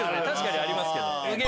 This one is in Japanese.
確かにありますけどね。